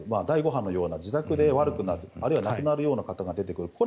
第５波のように自宅で悪くなるあるいは亡くなるような方が出てくる。